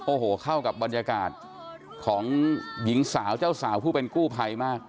โอ้โหเข้ากับบรรยากาศของหญิงสาวเจ้าสาวผู้เป็นกู้ภัยมาก